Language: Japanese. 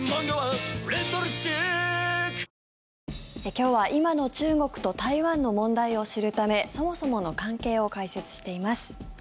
今日は今の中国と台湾の問題を知るためそもそもの関係を解説しています。